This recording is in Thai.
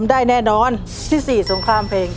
ใช่นักร้องบ้านนอก